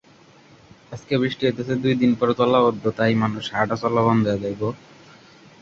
তার পিতার নাম রঞ্জিত মল্লিক ও মাতার নাম দীপা মল্লিক।